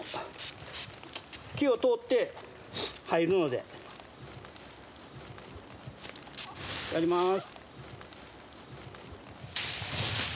木を通って入るのでやりまーす